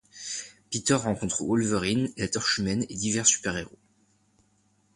Peter rencontre Wolverine, la Torche humaine et divers super-héros.